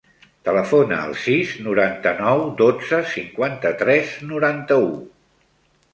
Telefona al sis, noranta-nou, dotze, cinquanta-tres, noranta-u.